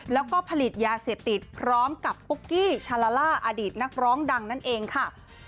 แล้วก็ผลิตยาเสพติดพร้อมกับปุ๊กกี้ชาลาล่าอดีตนักร้องดังนั่นเองค่ะ